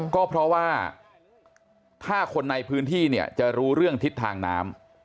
ก็เพราะว่าถ้าคนในพื้นที่เนี่ยจะรู้เรื่องทิศทางน้ำ